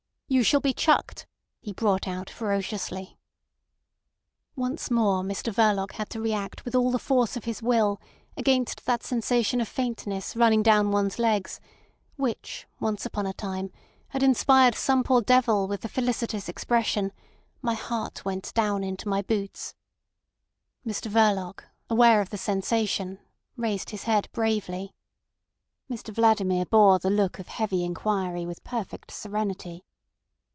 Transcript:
"You shall be chucked," he brought out ferociously. Once more Mr Verloc had to react with all the force of his will against that sensation of faintness running down one's legs which once upon a time had inspired some poor devil with the felicitous expression: "My heart went down into my boots." Mr Verloc, aware of the sensation, raised his head bravely. Mr Vladimir bore the look of heavy inquiry with perfect serenity.